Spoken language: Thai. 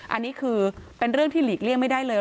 อันนี้คือเป็นเรื่องที่หลีกเลี่ยงไม่ได้เลย